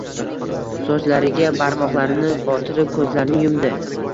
Sochlariga barmoqlarini botirib, ko‘zlarini yumdi.